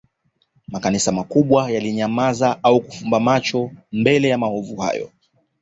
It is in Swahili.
Makanisa makubwa yalinyamaza au kufumba macho mbele ya maovu hayo